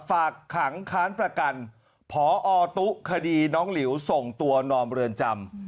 ฝากขังค้านประกันพอตุ๊คดีน้องหลิวส่งตัวนอมเรือนจำ